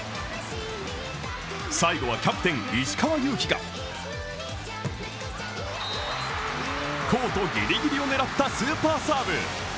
最後はキャプテン・石川祐希がコートぎりぎりを狙ったスーパーサーブ。